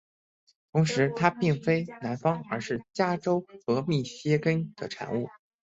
同时它并非南方而是加州和密歇根的产物。